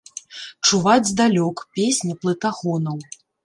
Чуваць здалёк песня плытагонаў.